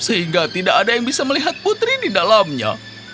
sehingga tidak ada yang bisa melihat putri di dalamnya